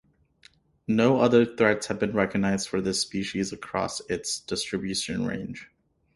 No other threats have been recognized for this species across its distribution range.